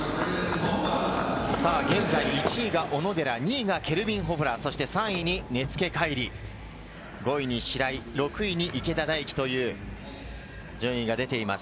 現在１位が小野寺、２位がケルビン・ホフラー、３位に根附海龍、５位に白井、６位に池田大暉という順位が出ています。